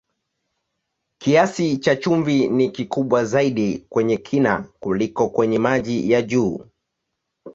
Kiasi cha chumvi ni kikubwa zaidi kwenye kina kuliko kwenye maji ya juu.